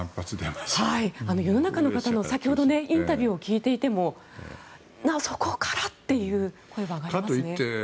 世の中の方からインタビューを聞いていてもそこからという声が上がっていますね。